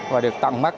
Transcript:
và được tặng mắt